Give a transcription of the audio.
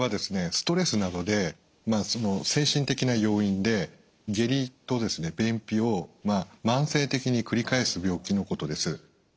ストレスなどで精神的な要因で下痢と便秘を慢性的に繰り返す病気のことです。